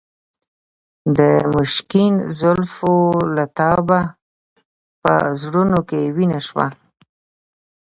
د مشکین زلفو له تابه په زړونو کې وینه شوه.